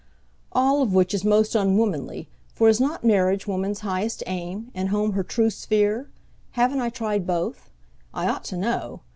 All of which is most unwomanly; for is not marriage woman's highest aim, and home her true sphere? Haven't I tried both? I ought to know.